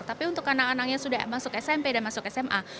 tapi untuk anak anak yang sudah masuk smp dan sma